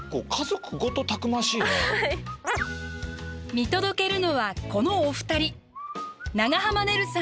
見届けるのはこのお二人。